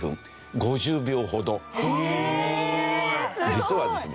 実はですね